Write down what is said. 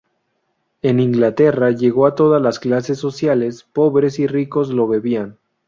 En Inglaterra llegó a todas las clases sociales, pobres y ricos lo bebían.